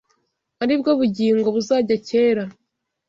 Ari bwo bugingo buzajya kera